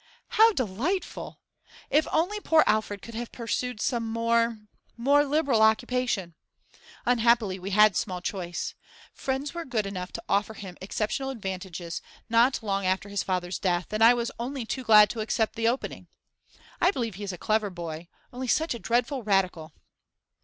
'How delightful! If only poor Alfred could have pursued some more more liberal occupation! Unhappily, we had small choice. Friends were good enough to offer him exceptional advantages not long after his father's death, and I was only too glad to accept the opening. I believe he is a clever boy; only such a dreadful Radical.